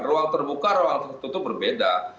ruang terbuka ruang tertutup berbeda